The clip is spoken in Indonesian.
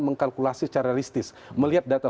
mengkalkulasi secara realistis melihat data